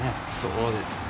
そうですね。